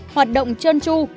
hoạt động chơn chu